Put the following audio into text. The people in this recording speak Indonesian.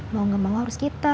mau gak mau harus kita